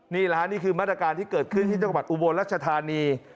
นี่แหละฮะนี่คือมาตรการที่เกิดขึ้นที่จังหวัดอุบลรัชธานี